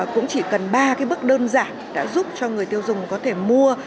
cũng chỉ cần ba cái bước đơn giản đã giúp cho người tiêu dùng có thể mua